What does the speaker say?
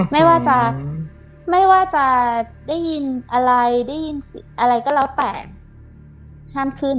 ไม่ว่าจะไม่ว่าจะได้ยินอะไรได้ยินอะไรก็แล้วแต่ห้ามขึ้น